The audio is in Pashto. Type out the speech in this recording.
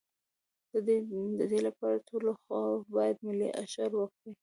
د دې لپاره ټولې خواوې باید ملي اشر وکړي.